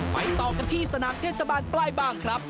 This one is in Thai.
ต่อกันที่สนามเทศบาลปลายบ้างครับ